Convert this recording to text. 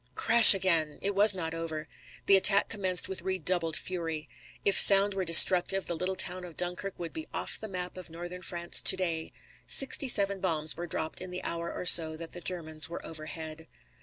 Crash again! It was not over. The attack commenced with redoubled fury. If sound were destructive the little town of Dunkirk would be off the map of Northern France to day. Sixty seven bombs were dropped in the hour or so that the Germans were overhead.